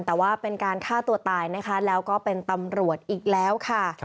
แต่ว่าเป็นการฆ่าตัวตายนะคะแล้วก็เป็นตำรวจอีกแล้วค่ะ